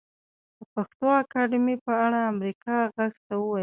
د پښتو اکاډمۍ په اړه امريکا غږ ته وويل